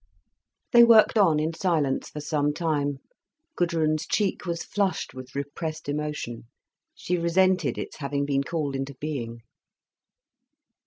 They worked on in silence for some time, Gudrun's cheek was flushed with repressed emotion. She resented its having been called into being.